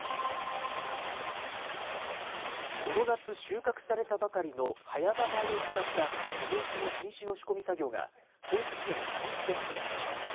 この夏、収穫されたばかりの早場米を使った日本酒の新酒の仕込み作業が高知県香美市で始まりました。